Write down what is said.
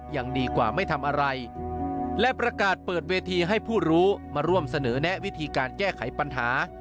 ยังดีกว่าไม่ทำอะไรและประกาศเปิดเวทีให้ผู้รู้มาร่วมเสนอแนะวิธีการแก้ไขปัญหา